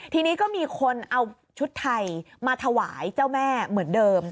ทีนี้ก็มีคนเอาชุดไทยมาถวายเจ้าแม่เหมือนเดิม